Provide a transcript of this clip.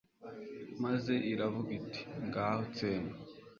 maze iravuga iti 'ngaho tsemba